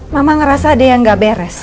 mama ngerasa ada yang gak beres